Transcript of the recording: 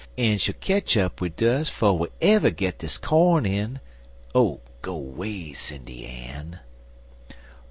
En she'll ketch up wid dus 'fo' we ever git dis corn in (Oh, go 'way, Sindy Ann!)